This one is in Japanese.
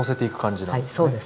はいそうですね。